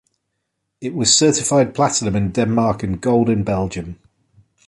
It was certified Platinum in Denmark and Gold in Belgium.